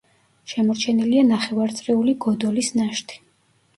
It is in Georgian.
შემორჩენილია ნახევარწრიული გოდოლის ნაშთი.